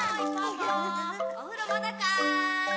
・おふろまだかい？